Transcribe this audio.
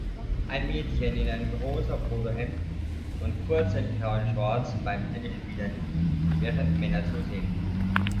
Ein Mädchen in einem rosa Polohemd und kurzen grauen Shorts beim Tennisspielen, während Männer zusehen.